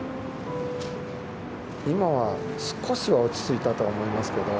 今は少しは落ち着いたと思います